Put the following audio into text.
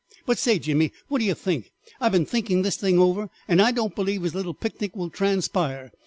But say, Jimmie, what do yer think? I have been thinkin' this thing over, and I don't believe his little picnic will transpire.